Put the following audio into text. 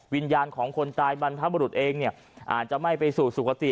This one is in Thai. วิญญาณของคนตายบรรพบรุษเองเนี่ยอาจจะไม่ไปสู่สุขติ